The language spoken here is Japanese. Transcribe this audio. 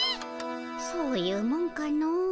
そういうもんかのう。